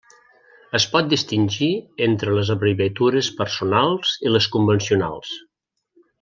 Es pot distingir entre les abreviatures personals i les convencionals.